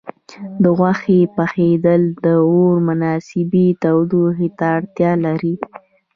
د غوښې پخېدل د اور مناسبې تودوخې ته اړتیا لري.